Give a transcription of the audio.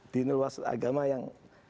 dinul wasil agama yang